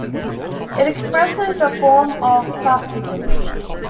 It expresses a form of classism.